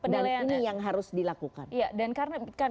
dan ini yang harus dilakukan